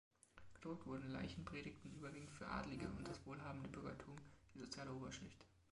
Gedruckt wurden Leichenpredigten überwiegend für Adlige und das wohlhabende Bürgertum, die soziale Oberschicht.